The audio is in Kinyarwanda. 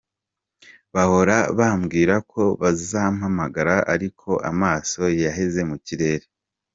Bahora bambwira ko bazampamagara ariko amaso yaheze mu kirere.